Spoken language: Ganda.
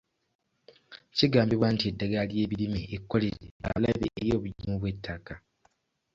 Kigambibwa nti eddagala ery'ebirime ekkolerere lya bulabe eri obugimu bw'ettaka.